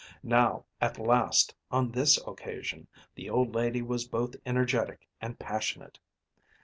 Now, at last, on this occasion, the old lady was both energetic and passionate.